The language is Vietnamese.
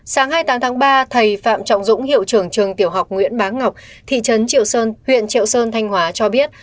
sáng hai mươi tám tháng ba thầy phạm trọng dũng hiệu trưởng trường tiểu học nguyễn bá ngọc thị trấn triệu sơn huyện triệu sơn thanh hóa cho biết